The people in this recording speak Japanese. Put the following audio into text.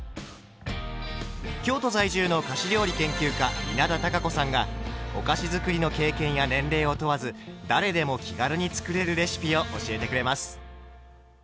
京都在住の菓子料理研究家稲田多佳子さんがお菓子づくりの経験や年齢を問わず誰でも気軽に作れるレシピを教えてくれます。